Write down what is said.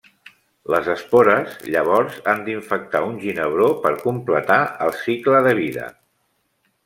Les espores llavors han d'infectar un ginebró per completar el cicle de vida.